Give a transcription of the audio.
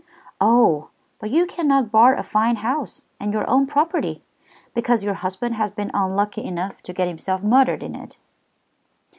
"Oh, but you cannot bar a fine house, and your own property, because your husband has been unlucky enough to get himself murdered in it."